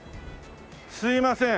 すいません